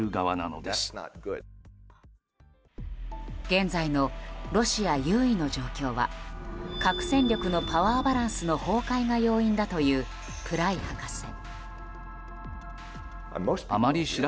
現在のロシア優位の状況は核戦力のパワーバランスの崩壊が要因だというプライ博士。